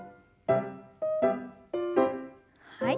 はい。